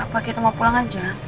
pak kita mau pulang aja